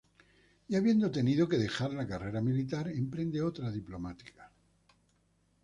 Y, habiendo tenido que dejar la carrera militar, emprende otra diplomática.